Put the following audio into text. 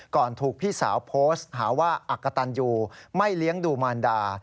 ถูกพี่สาวโพสต์หาว่าอักกะตันยูไม่เลี้ยงดูมารดา